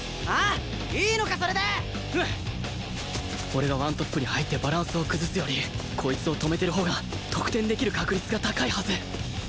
俺がワントップに入ってバランスを崩すよりこいつを止めてるほうが得点できる確率が高いはず